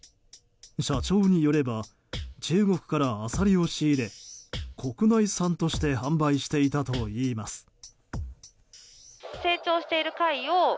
社長によれば中国からアサリを仕入れ国内産として販売していたといいます。